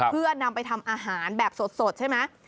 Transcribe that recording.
เพื่อนำไปทำอาหารแบบสดใช่ไหม